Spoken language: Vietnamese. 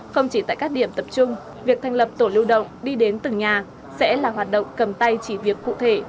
không chỉ tại các điểm tập trung việc thành lập tổ lưu động đi đến từng nhà sẽ là hoạt động cầm tay chỉ việc cụ thể